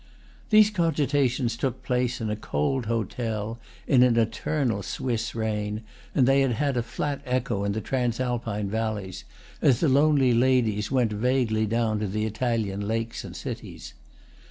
These cogitations took place in a cold hotel, in an eternal Swiss rain, and they had a flat echo in the transalpine valleys, as the lonely ladies went vaguely down to the Italian lakes and cities.